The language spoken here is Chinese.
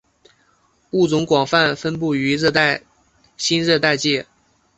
物种广泛分布于新热带界。